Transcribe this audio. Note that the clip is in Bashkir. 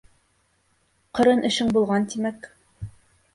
Ҡырын эшең булған, тимәк.